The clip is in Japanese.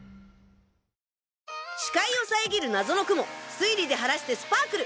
視界を遮る謎の雲推理で晴らしてスパークル！